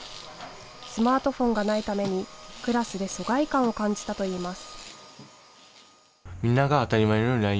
スマートフォンがないためにクラスで疎外感を感じたといいます。